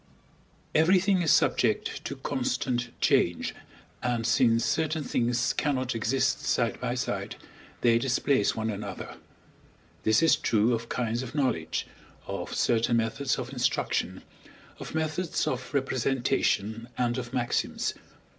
Everything is subject to constant change, and since certain things cannot exist side by side, they displace one another This is true of kinds of knowledge, of certain methods of instruction, of methods of representation, and of maxims.